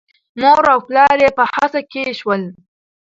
مور او پلار یې په هڅه کې شول.